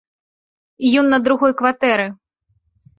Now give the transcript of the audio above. Ён на другой кватэры.